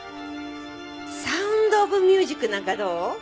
『サウンド・オブ・ミュージック』なんかどう？